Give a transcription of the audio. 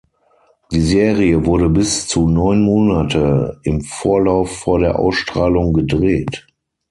Die Serie wurde bis zu neun Monate im Vorlauf vor der Ausstrahlung gedreht.